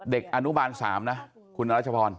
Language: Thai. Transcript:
เด็กอนุบาล๓นะคุณรัชพร